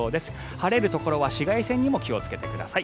晴れるところは紫外線にも気をつけてください。